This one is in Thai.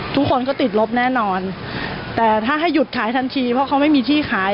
ทุกคนก็ติดลบแน่นอนแต่ถ้าให้หยุดขายทันทีเพราะเขาไม่มีที่ขาย